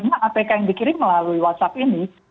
apakah yang dikirim melalui whatsapp ini